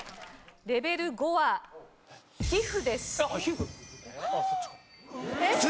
レベル５はヒフです。